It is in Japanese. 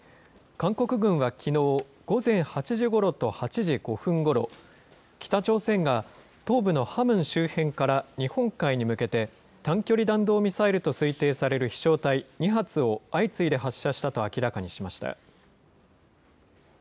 韓国軍はきのう午前８時ごろと、８時５分ごろ、北朝鮮が東部のハムン周辺から日本海に向けて、短距離弾道ミサイルと推定される飛しょう体２発を相次いで発射したと明らかにしました。